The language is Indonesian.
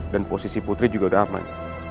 dan posisi putri juga gaman